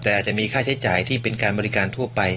แต่อาจจะมีค่าใช้จ่ายที่เป็นการบริการทั่วไป